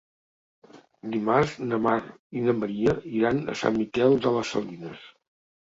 Dimarts na Mar i na Maria iran a Sant Miquel de les Salines.